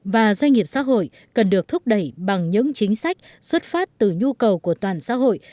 và doanh nghiệp xã hội cần được thúc đẩy bằng những chính sách xuất phát từ nhu cầu của toàn xã hội